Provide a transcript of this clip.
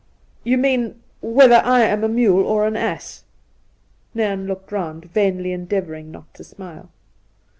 ' You mean, whether I am a mule or an ass ?' Nairn looked round, vainly endeavouring not to smile.